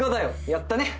やったね！